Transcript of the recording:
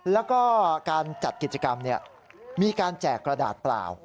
แล้วก็การจัดกิจกรรมมีการแจกกระดาษเปล่า